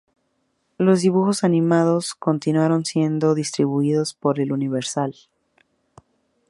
Los dibujos animados continuaron siendo distribuidos por Universal.